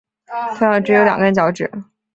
鸵鸟只有两根脚趾。